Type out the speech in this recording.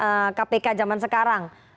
adalah yang pimpinan kpk zaman sekarang